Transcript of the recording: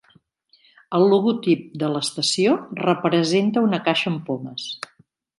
El logotip de l"estació representa una caixa amb pomes.